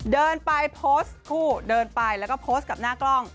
เดินไปโพสต์คู่เดินไปแล้วก็โพสต์กับหน้ากล้อง